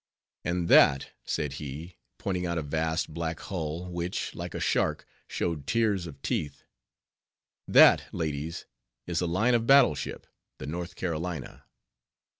"And that" said he, pointing out a vast black hull which, like a shark, showed tiers of teeth, "that, ladies, is a line of battle ship, the North Carolina."